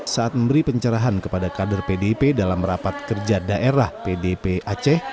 saat memberi pencerahan kepada kader pdip dalam rapat kerja daerah pdp aceh